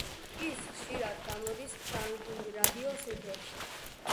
ის ხშირად გამოდის ფრანგული რადიოს ეთერში.